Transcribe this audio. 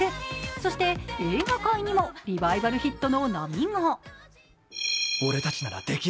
そして映画界にもリバイバルヒットの波が。